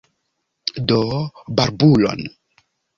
Do barbulon!